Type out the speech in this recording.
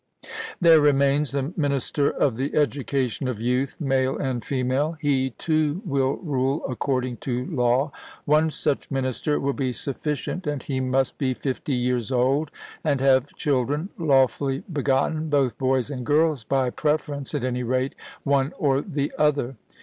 There remains the minister of the education of youth, male and female; he too will rule according to law; one such minister will be sufficient, and he must be fifty years old, and have children lawfully begotten, both boys and girls by preference, at any rate, one or the other.